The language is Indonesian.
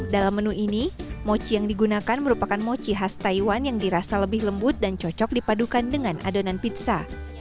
dalam menu ini mochi yang digunakan merupakan mochi khas taiwan yang dirasa lebih lembut dan cocok dipadukan dengan adonan pizza